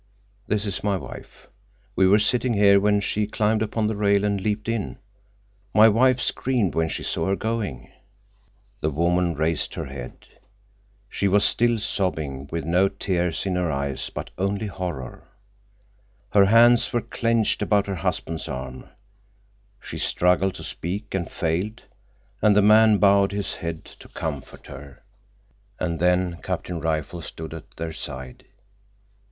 "This is my wife. We were sitting here when she climbed upon the rail and leaped in. My wife screamed when she saw her going." The woman raised her head. She was still sobbing, with no tears in her eyes, but only horror. Her hands were clenched about her husband's arm. She struggled to speak and failed, and the man bowed his head to comfort her. And then Captain Rifle stood at their side.